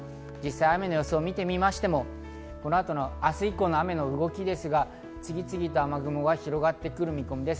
雨の様子を見ても、明日以降の雨の動きですが次々と雨雲が広がってくる見込みです。